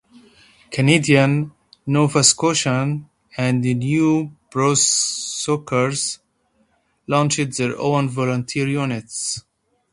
Canadians, Nova Scotians, and New Bruswickers launched their own volunteer units.